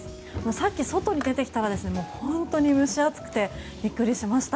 さっき外に出てきたら本当に蒸し暑くてびっくりしました。